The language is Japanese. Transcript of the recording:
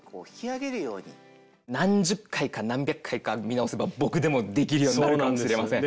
何十回か何百回か見直せば僕でもできるようになるかもしれません。